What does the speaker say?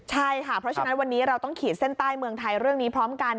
ใช่ค่ะเพราะฉะนั้นวันนี้เราต้องขีดเส้นใต้เมืองไทยเรื่องนี้พร้อมกัน